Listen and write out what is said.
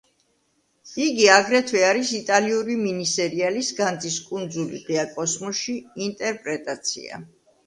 იგი აგრეთვე არის იტალიური მინისერიალის „განძის კუნძული ღია კოსმოსში“ ინტერპრეტაცია.